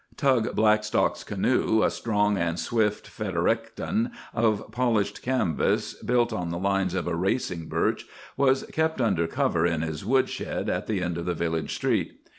Tug Blackstock's canoe, a strong and swift "Fredericton" of polished canvas, built on the lines of a racing birch, was kept under cover in his wood shed at the end of the village street.